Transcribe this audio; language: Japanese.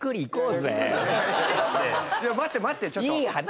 いや待って待ってちょっと。